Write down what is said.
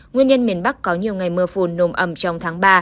nguyên nhân miền bắc có nhiều ngày mưa phùn nồm ẩm trong tháng ba